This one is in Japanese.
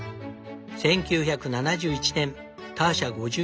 １９７１年ターシャ５５歳。